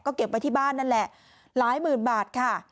ก็เก็บไว้ที่บ้านนั่นแหละหลายหมื่นบาทค่ะ